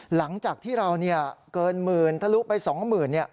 หลังจากที่เราเกินหมื่นทะลุไป๒๐๐๐บาท